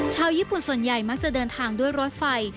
ชาวญี่ปุ่นส่วนใหญ่มักจะเดินทางด้วยรถไฟ